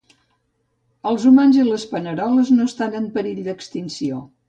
Els humans i les paneroles no estan en perill d'extinció.